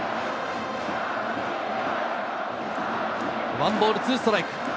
１ボール２ストライク。